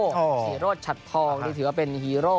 ศรีโรธฉัดทองนี่ถือว่าเป็นฮีโร่